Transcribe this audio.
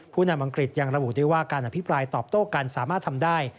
นำอังกฤษยังระบุได้ว่าการอภิปรายตอบโต้กันสามารถทำได้